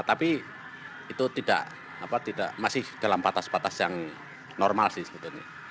tapi itu masih dalam batas batas yang normal sih sebetulnya